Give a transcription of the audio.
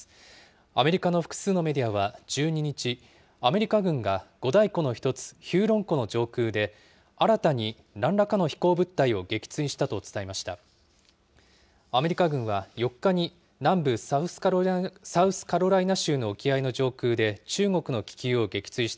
アメリカの複数のメディアは１２日、アメリカ軍が五大湖の一つ、ヒューロン湖の上空で新たになんらかの飛行物体を撃墜したと伝えました。